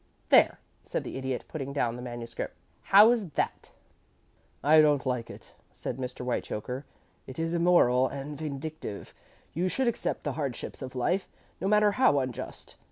'" "There," said the Idiot, putting down the manuscript. "How's that?" "I don't like it," said Mr. Whitechoker. "It is immoral and vindictive. You should accept the hardships of life, no matter how unjust.